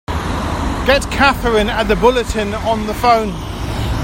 Get Katherine at the Bulletin on the phone!